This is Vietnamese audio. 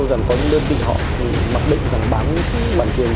rằng có những đơn vị họ mặc định bán bản tiền